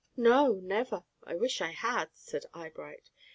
] "No, never. I wish I had," said Eyebright.